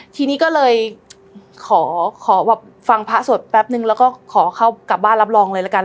ทีนี้ก็เลยขอขอแบบฟังพระสวดแป๊บนึงแล้วก็ขอเข้ากลับบ้านรับรองเลยละกัน